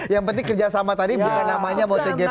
yang penting kerjasama tadi bukan namanya buat tgpf